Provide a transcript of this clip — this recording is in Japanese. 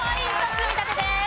積み立てです。